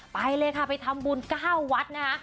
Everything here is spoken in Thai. ไปเลยค่ะไปทำบุญ๙วัดนะคะ